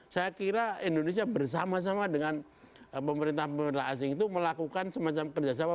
saya kira indonesia bersama sama dengan pemerintah pemerintah asing itu melakukan semacam kerjasama